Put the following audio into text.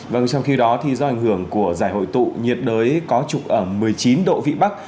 vâng trong khi đó thì do ảnh hưởng của giải hội tụ nhiệt đới có trục ở một mươi chín độ vị bắc